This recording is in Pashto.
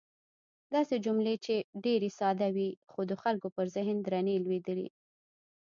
داسې جملې چې ډېرې ساده وې، خو د خلکو پر ذهن درنې لوېدې.